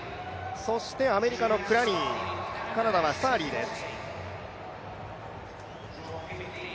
アメリカのクラニー、カナダはスターリーです。